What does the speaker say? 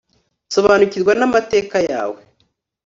nsobanukirwa n'amateka yawe